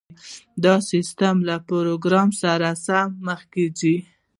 دا سیستم له پروګرام سره سم مخکې ځي